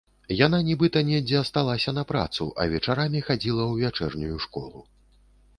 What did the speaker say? Яна нібыта недзе асталася на працу, а вечарамі хадзіла ў вячэрнюю школу.